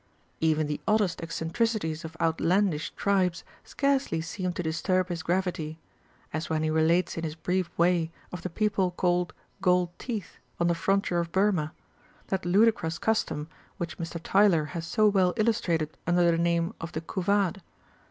f Even the oddest eccentricities of out landish tribes scarcely seem to disturb his gravity ; as when he relates in his brief way, of the people called Gold Teeth on the frontier of Burma, that ludicrous custom which Mr. Tylor has so well illustrated under the name of the Couvade.